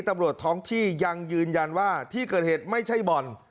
ตำรวจท้องที่ยังยืนยันว่าที่เกิดเหตุไม่ใช่บ่อน